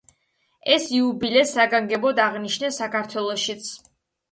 ეს იუბილე საგანგებოდ აღნიშნეს საქართველოშიც.